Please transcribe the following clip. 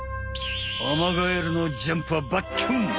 アマガエルのジャンプはバッキュン！